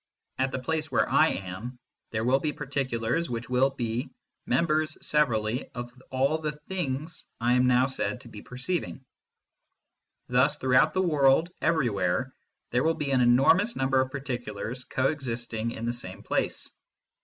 At the place where I am, there will be particulars which will be members severally of all the " things " I am now said to be perceiving. Thus throughout the world, everywhere, there will be an enormous number of particulars co existing in the same place.